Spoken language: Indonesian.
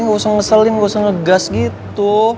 ga usah ngeselin ga usah ngegas gitu